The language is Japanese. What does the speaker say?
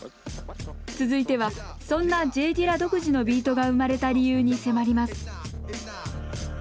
続いてはそんなＪ・ディラ独自のビートが生まれた理由に迫ります